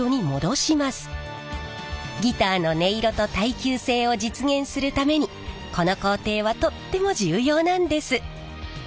ギターの音色と耐久性を実現するためにこの工程はとっても重要なんです。